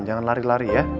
jangan lari lari ya